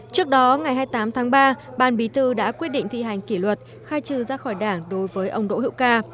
trước đó ngày hai mươi tám tháng ba ban bí tư đã quyết định thi hành kỷ luật khai trừ ra khỏi đảng đối với ông đỗ hữu ca